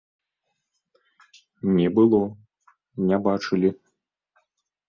Не было, не бачылі!